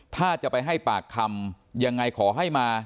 ถ้าจะไปให้ปากคำยังไงขอให้มา